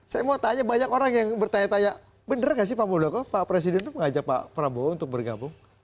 saya mau tanya banyak orang yang bertanya tanya bener gak sih pak muldoko pak presiden itu mengajak pak prabowo untuk bergabung